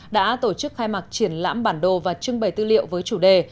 đã tổ chức khai mạc triển lãm bản đồ và trưng bày tư liệu với chủ đề